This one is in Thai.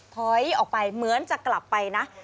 ถอยออกไปเหมือนจะกลับไปนะ